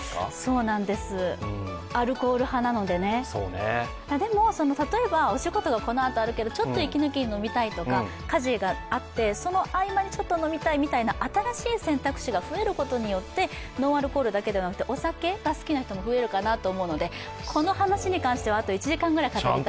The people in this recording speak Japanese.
そうなんです、アルコール派なのでね、でも、例えばお仕事がこのあとあるけど、ちょっと息抜きに飲みたいとか家事があって、その合間に飲みたいとか新しい選択肢が増えることによって、ノンアルコールだけじゃなくてお酒が好きな人も増えると思うので、この話についてはあと１時間くらい語りたいです。